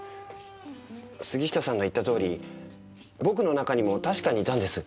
杉下さんが言ったとおり僕の中にも確かにいたんです。